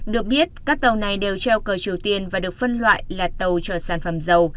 được biết các tàu này đều treo cờ triều tiên và được phân loại là tàu chở sản phẩm dầu